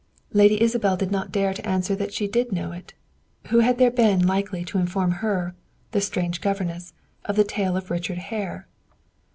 Lady Isabel did not dare to answer that she did know it. Who had there been likely to inform her, the strange governess of the tale of Richard Hare!